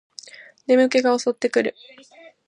眠気が襲ってくる